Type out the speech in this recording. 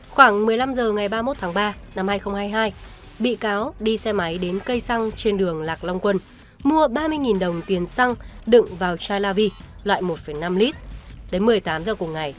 khoảng một mươi năm h ngày ba mươi một tháng ba năm hai nghìn hai mươi hai bị cáo đi xe máy đến cây xăng trên đường lạc long quân